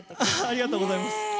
ありがとうございます。